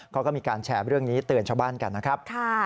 เขาก็มีการแชร์เรื่องนี้เตือนชาวบ้านกันนะครับ